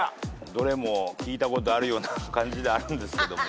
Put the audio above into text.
どれも聞いたことあるような感じであるんですけども。